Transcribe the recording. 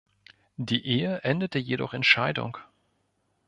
Die Ehe endete jedoch in Scheidung.